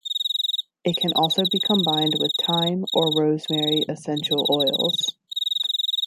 It can also be combined with thyme or rosemary essential oils.